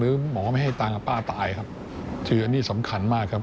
หมอไม่ให้ตังค์กับป้าตายครับคืออันนี้สำคัญมากครับ